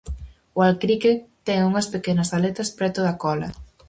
O alcrique ten unhas pequenas aletas preto da cola.